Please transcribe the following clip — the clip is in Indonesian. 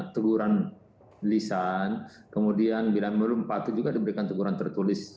teguran lisan kemudian bila belum patut juga diberikan teguran tertulis